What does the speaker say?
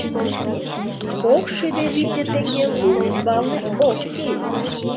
Кок шӱдӧ витле теҥге лум ӱмбалне ок кий».